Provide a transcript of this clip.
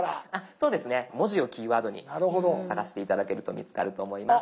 そうですね「文字」をキーワードに探して頂けると見つかると思います。